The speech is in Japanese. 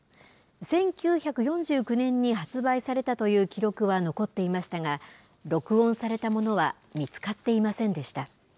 １９４９年に発売されたという記録は残っていましたが録音されたものは見つかっていませんでした。